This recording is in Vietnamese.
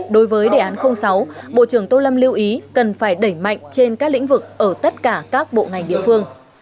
đối với đề án sáu bộ trưởng tô lâm lưu ý cần phải đẩy mạnh trên các lĩnh vực ở tất cả các bộ ngành địa phương